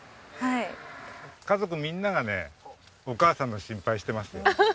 家族みんながねお母さんの心配してますよ。